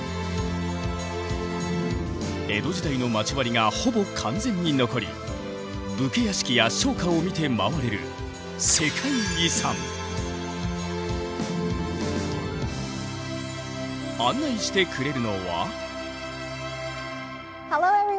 江戸時代の町割がほぼ完全に残り武家屋敷や商家を見て回れる案内してくれるのは。